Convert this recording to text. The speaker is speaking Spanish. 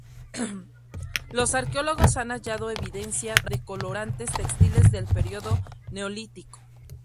Los arqueólogos han hallado evidencia de colorantes textiles del periodo Neolítico.